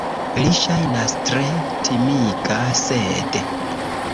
Li ŝajnas tre timiga... sed!